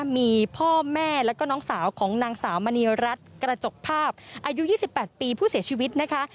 มีพ่อแม่แล้วก็น้องสาวของนางสาวมณีรัฐกระจกภาพอายุ๒๘ปีผู้เสียชีวิตนะคะ